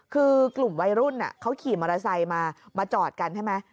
คือกลุ่มวัยรุ่นเขาขี่มอเตอร์ไซค์มามาจอดกันใช่ไหม